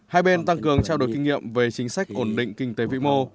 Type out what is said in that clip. hai bên tăng cường trao đổi kinh nghiệm về chính sách ổn định kinh tế vĩ mô